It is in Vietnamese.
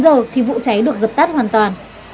đến một mươi chín h thì vụ cháy được dập tắt hoàn toàn